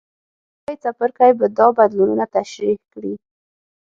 راتلونکی څپرکی به دا بدلونونه تشریح کړي.